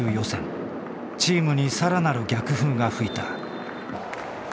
チームに更なる逆風が吹いた。